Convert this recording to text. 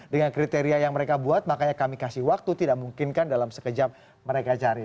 dengan kriteria yang mereka buat makanya kami kasih waktu tidak mungkinkan dalam sekejap mereka cari